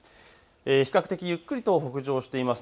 比較的ゆっくりと北上しています。